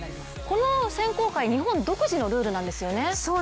この選考会、日本独自のルールなんですよね？